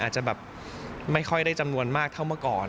อาจจะแบบไม่ค่อยได้จำนวนมากเท่าเมื่อก่อน